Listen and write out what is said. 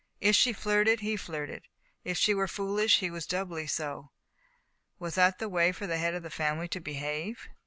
If she flirted, he flirted. If she were foolish, he was doubly so. Was that the way for the head' of a family to behave?